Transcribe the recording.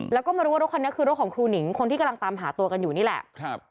แล้วก็มารู้ว่ารถคันนี้คือรถของครูหนิงคนที่กำลังตามหาตัวกันอยู่นี่แหละ